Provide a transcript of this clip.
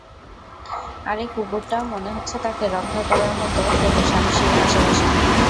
আর কুকুরটা, মনে হচ্ছে তাকে রক্ষা করার মতো কোনো সাহসী আশেপাশে নেই।